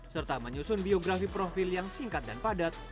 serta menyusun biografi profil yang singkat dan padat